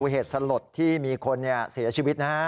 เหตุสลดที่มีคนเสียชีวิตนะฮะ